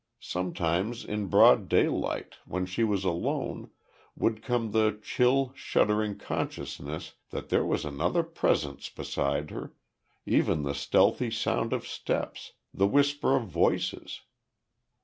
Sometimes in broad daylight, when she was alone, would come the chill, shuddering consciousness that there was another Presence beside her, even the stealthy sound of steps, the whisper of voices.